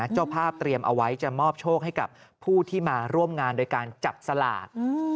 เจ้าภาพเตรียมเอาไว้จะมอบโชคให้กับผู้ที่มาร่วมงานโดยการจับสลาก